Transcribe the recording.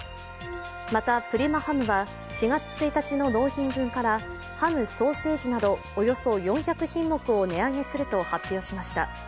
またプリマハムは４月１日の納品分からハム・ソーセージなどおよそ４００品目を値上げすると発表しました。